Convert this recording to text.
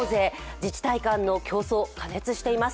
自治体間の競争、過熱しています。